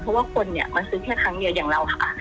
เพราะว่าคนเนี่ยมาซื้อแค่ครั้งเดียวอย่างเราค่ะ